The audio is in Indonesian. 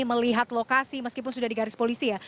melihat lokasi meskipun sudah di garis polisi ya